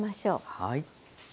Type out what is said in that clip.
はい。